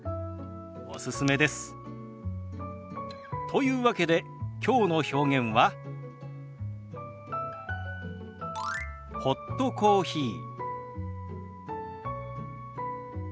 というわけできょうの表現は「ホットコーヒー」。